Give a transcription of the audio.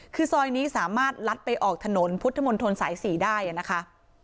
คือซอยนี้สามารถลัดไปออกถนนพุทธมนตรสาย๔ได้นะคะ